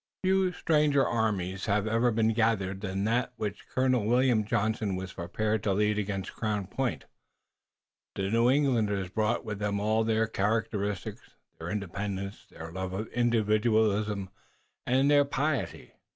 Few stranger armies have ever been gathered than that which Colonel William Johnson was preparing to lead against Crown Point. The New Englanders brought with them all their characteristics, their independence, their love of individualism and their piety.